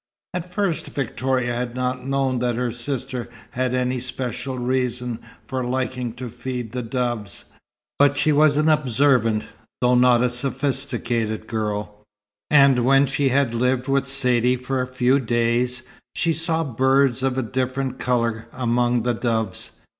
At first Victoria had not known that her sister had any special reason for liking to feed the doves, but she was an observant, though not a sophisticated girl; and when she had lived with Saidee for a few days, she saw birds of a different colour among the doves.